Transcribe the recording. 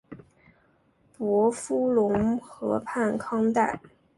伯夫龙河畔康代。